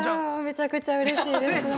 めちゃくちゃうれしいですホントに。